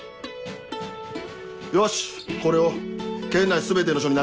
よしこれを県内全ての署に流せ。